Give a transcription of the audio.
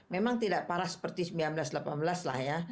memang tidak parah seperti seribu sembilan ratus delapan belas lah ya